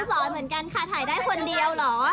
สอนเหมือนกันค่ะถ่ายได้คนเดียวเหรอ